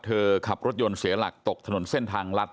ขับรถยนต์เสียหลักตกถนนเส้นทางลัด